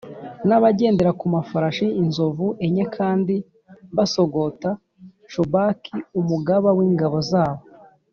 n’abagendera ku mafarashi inzovu enye kandi basogota Shobaki umugaba w’ingabo zabo